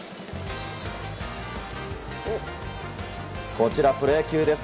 こちら、プロ野球です。